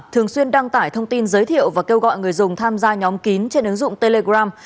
thường xuyên đăng tải thông tin giới thiệu và kêu gọi người dùng tham gia nhóm kín trên ứng dụng telegram